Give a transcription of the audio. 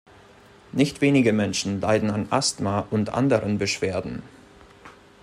Nicht wenige Menschen leiden an Asthma und anderen Beschwerden.